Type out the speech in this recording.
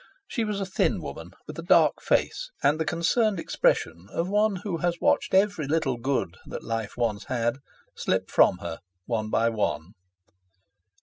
She was a thin woman with a dark face and the concerned expression of one who has watched every little good that life once had slip from her, one by one.